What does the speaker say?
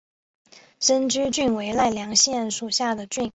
生驹郡为奈良县属下的郡。